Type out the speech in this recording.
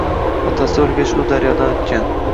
Otasi o‘lgach u daryodan o‘tgan